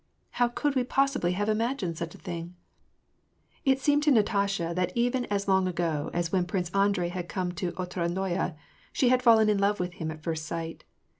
" How could we possibly have imagined such a thing ?" It seemed to Natasha that even as long ago as when Prince Andrei had come to Otradnoye, she had fallen in love with him at first sight.